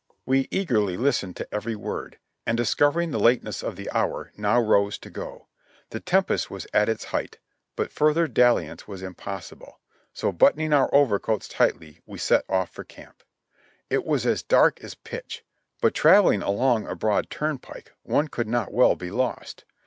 We eagerly listened to every word, and discovering the lateness of the hour, now rose to go. The tempest was at its height, but further dalliance was impossible; so buttoning our overcoats tightly, we set off for camp. It was as dark as pitch, but traveling along a broad turnpike one could not well be lost.